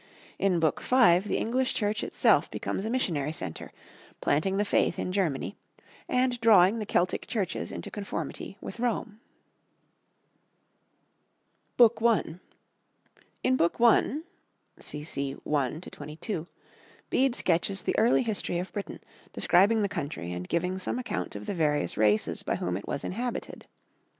In Book V the English Church itself becomes a missionary centre, planting the faith in Germany, and drawing the Celtic Churches into conformity with Rome. ‐‐‐‐‐‐‐‐‐‐‐‐‐‐‐‐‐‐‐‐‐‐‐‐‐‐‐‐‐‐‐‐‐‐‐‐‐ BOOK I.—In Book I, cc. 1 22, Bede sketches the early history of Britain, describing the country and giving some account of the various races by whom it was inhabited.